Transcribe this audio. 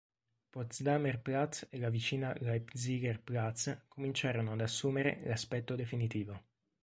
Potsdamer Platz e la vicina Leipziger Platz cominciarono ad assumere l'aspetto definitivo.